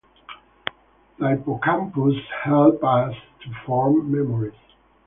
The hippocampus helps us to form memories.